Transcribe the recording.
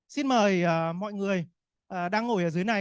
xin mời mọi người đang ngồi ở dưới này